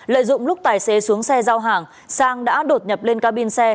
lợi dụng lúc tài xế xuống xe giao hàng sang đã đột nhập lên cabin xe